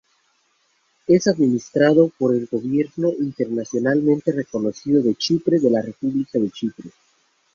Es administrado por el gobierno internacionalmente reconocido de Chipre, la República de Chipre.